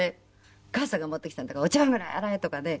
「お母さんが持ってきたんだからお茶碗ぐらい洗え！」とかね